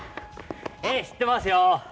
ええしってますよ。